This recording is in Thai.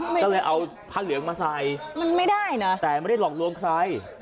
ก็เลยเอาผ้าเหลืองมาใส่แต่ไม่ได้หลอกลวงใคร